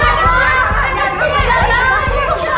gw mintaindo sih